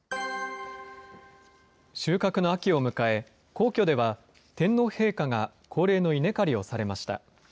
収穫の秋を迎え、皇居では天皇陛下が恒例の稲刈りをされました。